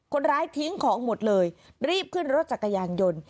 คนร้ายทิ้งของหมดเลยรีบขึ้นรถจักรยานยนต์